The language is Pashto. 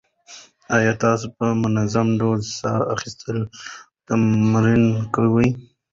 ایا تاسو په منظم ډول ساه اخیستل تمرین کوئ؟